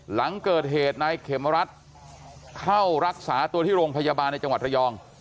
หลังเกิดเหตุนายเขมรัฐเข้ารักษาตัวที่โรงพยาบาลในจังหวัดระยอง